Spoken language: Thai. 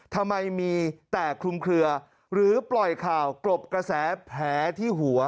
ทำไมมีแต่คลุมเคลือหรือปล่อยข่าวกลบกระแสแผลที่หัว